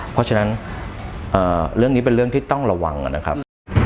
เพราะฉะนั้นเรื่องนี้เป็นเรื่องที่ต้องระวังนะครับ